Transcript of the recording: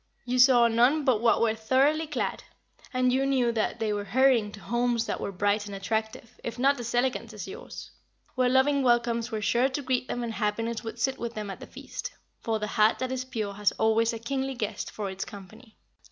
You saw none but what were thoroughly clad, and you knew that they were hurrying to homes that were bright and attractive, if not as elegant as yours; where loving welcomes were sure to greet them and happiness would sit with them at the feast; for the heart that is pure has always a kingly guest for its company.